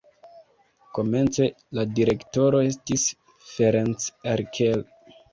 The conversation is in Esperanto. Komence la direktoro estis Ferenc Erkel.